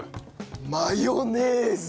マヨネーズ。